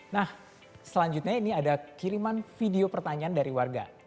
nah selanjutnya ini ada kiriman video pertanyaan dari warga